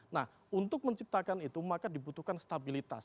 nah untuk menciptakan itu maka dibutuhkan stabilitas